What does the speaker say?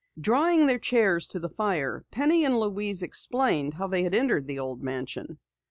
Drawing their chairs to the fire, Penny and Louise explained how they had entered the old mansion.